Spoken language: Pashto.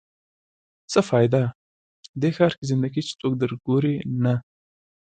څه فایده؟ دې ښار کې زنده ګي چې څوک در ګوري نه